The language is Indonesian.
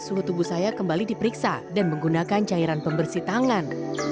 suhu tubuh saya kembali diperiksa dan menggunakan cairan pembersih tangan